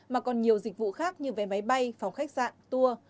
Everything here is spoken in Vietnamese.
mà còn nhiều dịch vụ khác như vé máy bay phòng khách sạn tour